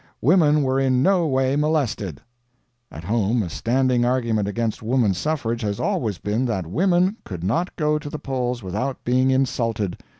Women were in no way molested." At home, a standing argument against woman suffrage has always been that women could not go to the polls without being insulted.